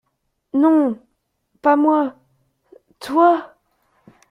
Non… pas moi… toi…